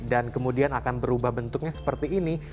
dan kemudian akan berubah bentuknya seperti ini